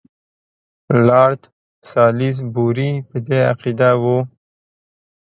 لارډ سالیزبوري په دې عقیده وو.